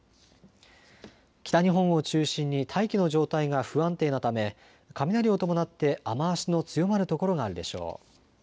北日本を中心に大気の状態が不安定なため雷を伴って雨足の強まる所があるでしょう。